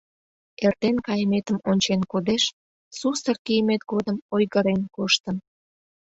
Эртен кайыметым ончен кодеш, сусыр кийымет годым ойгырен коштын...